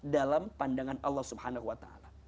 dalam pandangan allah swt